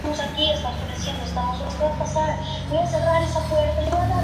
Nació en Estados Unidos donde desarrollo el trabajo que le otorgaría su reconocimiento científico.